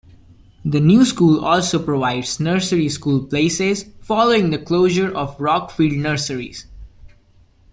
The new school also provides nursery school places, following the closure of Rockfield Nursery.